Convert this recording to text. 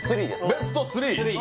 ベスト３！